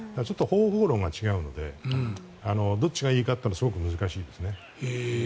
方法論が違うのでどっちがいいかはすごく難しいですね。